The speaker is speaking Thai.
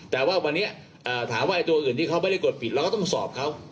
แต่ว่าวันนี้ถามว่าตัวอื่นที่เขาไม่ได้กดปิดเราก็ต้องสอบเขา